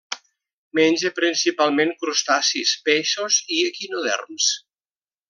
Menja principalment crustacis, peixos i equinoderms.